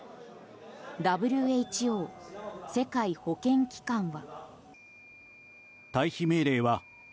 ＷＨＯ・世界保健機関は。